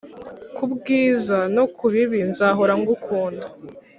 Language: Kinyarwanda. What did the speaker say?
kubyiza, no kubibi nzahora ngukunda